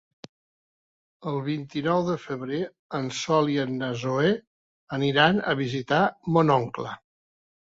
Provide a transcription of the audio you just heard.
El vint-i-nou de febrer en Sol i na Zoè aniran a visitar mon oncle.